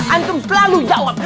antum selalu jawab